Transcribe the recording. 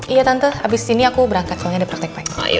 iya tante abis ini aku berangkat soalnya ada praktek pagi